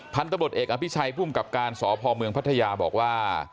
พันธบทเอกอัพพิชัยผู้อำกับการสพเมืองพัทยาบอกว่า